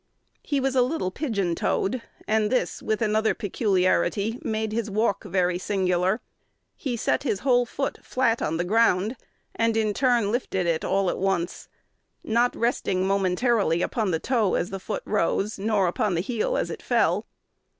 He was a little pigeon toed; and this, with another peculiarity, made his walk very singular. He set his whole foot flat on the ground, and in turn lifted it all at once, not resting momentarily upon the toe as the foot rose, nor upon the heel as it fell.